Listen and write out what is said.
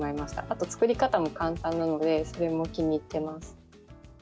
あと、作り方も簡単なので、それも気に入ってます。